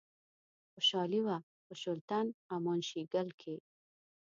خوشحالي وه په شُلتن، امان شیګل کښي